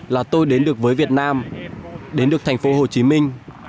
là tôi đến được với việt nam đến được thành phố hồ chí minh